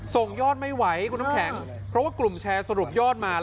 ส่งยอดไม่ไหวคุณน้ำแข็งเพราะว่ากลุ่มแชร์สรุปยอดมา